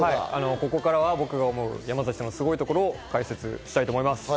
ここからは僕が思う山崎育三郎さんのすごい所を解説したいと思います。